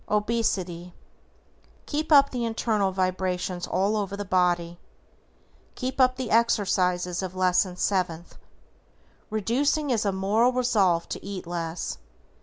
=OBESITY:= Keep up the internal vibrations all over the body. Keep up the exercises of Lesson Seventh. REDUCING IS A MORAL RESOLVE TO EAT LESS.